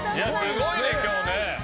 すごいね、今日。